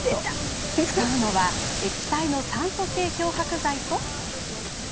使うのは液体の酸素系漂白剤と。